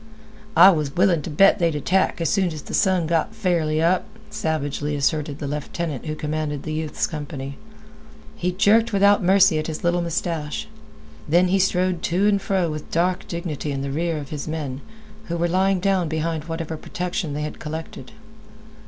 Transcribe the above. "I was willin' t' bet they'd attack as soon as th' sun got fairly up," savagely asserted the lieutenant who commanded the youth's company. He jerked without mercy at his little mustache. He strode to and fro with dark dignity in the rear of his men, who were lying down behind whatever protection they had collected.